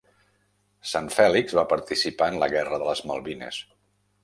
San Felix va participar en la Guerra de les Malvines.